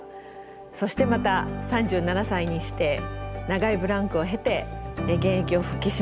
そしてまた３７歳にして長いブランクを経て現役を復帰しました。